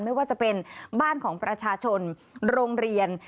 ไม่ว่าจะเป็นบ้านของประชาชนโรงเรียน